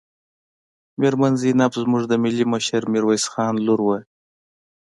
میرمن زینب زموږ د ملي مشر میرویس خان لور وه.